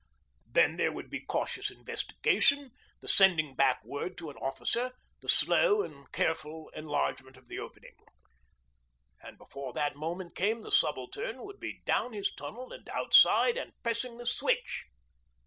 Then there would be cautious investigation, the sending back word to an officer, the slow and careful enlargement of the opening. And before that moment came the Subaltern would be down his tunnel, and outside, and pressing the switch